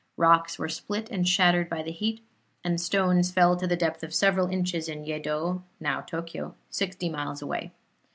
Rocks were split and shattered by the heat, and stones fell to the depth of several inches in Yeddo (now Tokyo), sixty miles away.